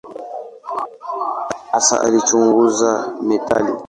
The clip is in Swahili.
Hasa alichunguza metali.